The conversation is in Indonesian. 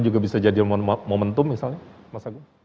juga bisa jadi momentum misalnya mas agung